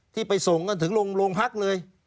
ที่ไปส่งกันถึงโรงพักเลย